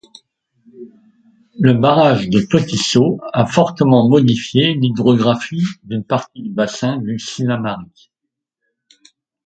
Le barrage de Petit-Saut a fortement modifié l'hydrographie d'une partie du bassin du Sinnamary.